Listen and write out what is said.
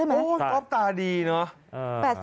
โอ้ยก๊อฟตาดีนะ